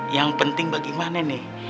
yang penting bagaimana nih